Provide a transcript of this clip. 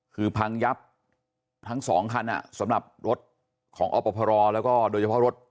คือพังยับทั้งสองคันสำหรับรถของอพรแล้วก็โดยเฉพาะรถ